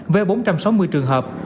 với bốn trăm sáu mươi trường hợp